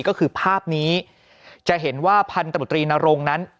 ก็คือภาพนี้จะเห็นว่าพันธบตรีนรงนั้น